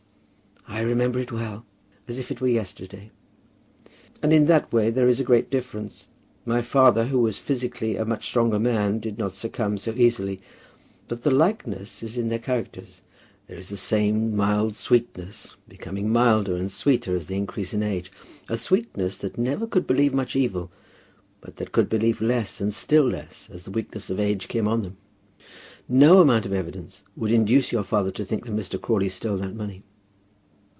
"I remember it well; as if it were yesterday." "And in that way there is a great difference. My father, who was physically a much stronger man, did not succumb so easily. But the likeness is in their characters. There is the same mild sweetness, becoming milder and sweeter as they increased in age; a sweetness that never could believe much evil, but that could believe less, and still less, as the weakness of age came on them. No amount of evidence would induce your father to think that Mr. Crawley stole that money."